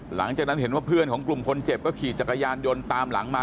หลังจากนั้นเห็นว่าเพื่อนของกลุ่มคนเจ็บก็ขี่จักรยานยนต์ตามหลังมา